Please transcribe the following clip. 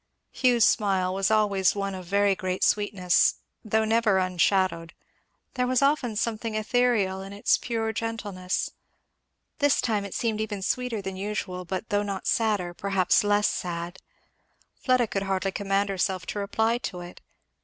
Hugh's smile was always one of very great sweetness, though never unshadowed; there was often something ethereal in its pure gentleness. This time it seemed even sweeter than usual, but though not sadder, perhaps less sad, Fleda could hardly command herself to reply to it.